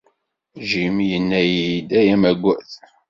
Jim yenna-yi-d ay amagad.